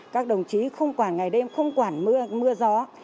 các đồng chí không quản ngày đêm không quản mưa gió